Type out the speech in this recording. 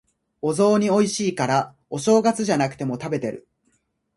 お雑煮美味しいから、お正月じゃなくても食べてる。